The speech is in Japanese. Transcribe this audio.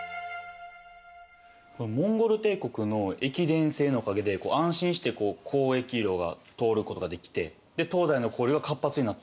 モンゴル帝国の駅伝制のおかげで安心して交易路が通ることができてで東西の交流が活発になっていったってことなんですね。